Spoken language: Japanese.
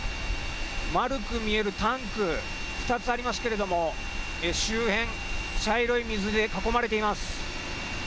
丸く見えるタンク２つありますけれども周辺、茶色い水で囲まれています。